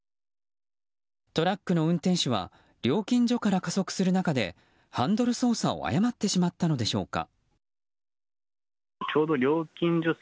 トラックの運転手は料金所から加速する中でハンドル操作を誤ってしまったのでしょうか。